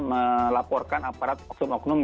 melaporkan aparat oknum oknum